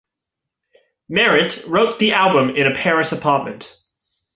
Merritt wrote the album in a Paris apartment.